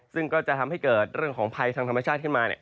ซึ่งก็จะทำให้เกิดเรื่องของภัยทางธรรมชาติขึ้นมา